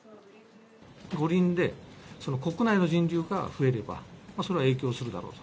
五輪で国内の人流が増えれば、それは影響するだろうと。